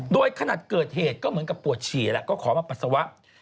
โดยขนาดเกิดเหตุก็เหมือนกับปวดฉี่แล้วก็ขอมาปัสสาวะ